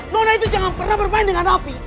nona itu jangan pernah bermain dengan api